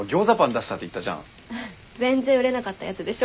全然売れなかったやつでしょ？